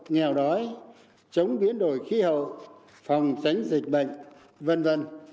nghèo đói chống biến đổi khí hậu phòng tránh dịch bệnh v v